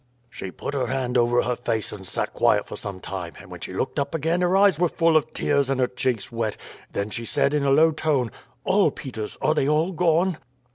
"She put her hand over her face and sat quiet for some time, and when she looked up again her eyes were full of tears and her cheeks wet; then she said in a low tone: "'All, Peters, are they all gone?'